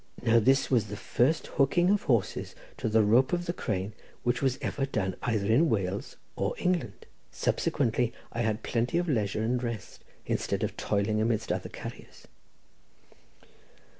Now this was the first hooking of horses to the rope of the crane which was ever done either in Wales or England. Subsequently I had plenty of leisure and rest, instead of toiling amidst other carriers."